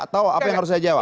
atau apa yang harus saya jawab